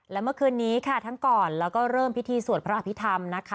และเมื่อคืนนี้ค่ะทั้งก่อนแล้วก็เริ่มพิธีสวดพระอภิษฐรรมนะคะ